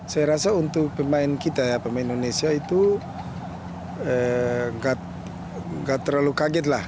saya rasa untuk pemain kita ya pemain indonesia itu nggak terlalu kaget lah